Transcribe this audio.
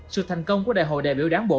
sự thành công của đại hội đại biểu đảng bộ